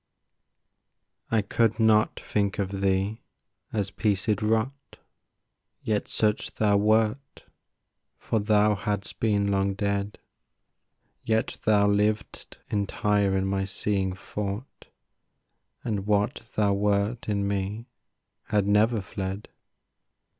I could not think of thee as piecèd rot, Yet such thou wert, for thou hadst been long dead; Yet thou liv'dst entire in my seeing thought And what thou wert in me had never fled.